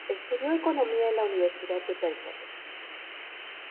Estudió economía en la Universidad de Berkeley.